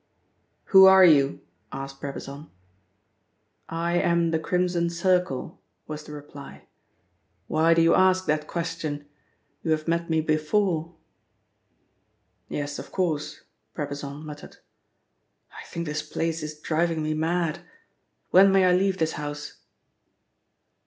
"Who are you?" asked Brabazon. "I am the Crimson Circle," was the reply. "Why do you ask that question? You have met me before." "Yes, of course," Brabazon muttered. "I think this place is driving me mad. When may I leave this house?"